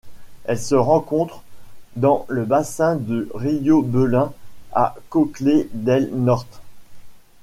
Elle se rencontre dans le bassin du río Belén à Coclé del Norte.